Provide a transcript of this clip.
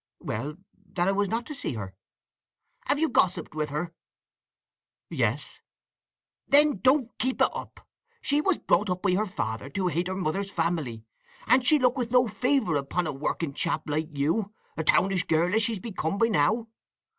"Well—that I was not to see her." "Have you gossiped with her?" "Yes." "Then don't keep it up. She was brought up by her father to hate her mother's family; and she'll look with no favour upon a working chap like you—a townish girl as she's become by now.